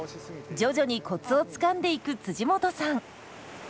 徐々にコツをつかんでいく本さん。